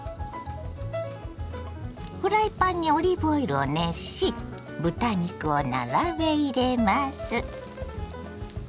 フライパンにオリーブオイルを熱し豚肉を並べ入れます。